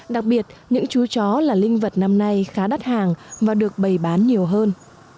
đặc biệt những chú chó là linh vật năm nay khá đắt hàng và được bày bán nhiều hơn